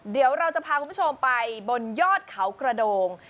เดี๋ยวเราจะพาคุณผู้ชมไปบนยอดเขากระโดง